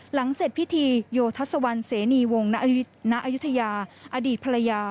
หลังเสร็จพิธีโยทัศวรรณเสนีวงณอายุทยาอดีตภรรยา